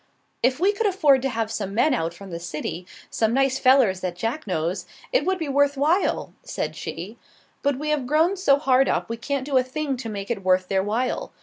"If we could afford to have some men out from the city, some nice fellers that Jack knows, it would be worth while," said she, "but we have grown so hard up we can't do a thing to make it worth their while.